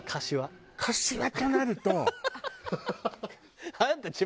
柏となると。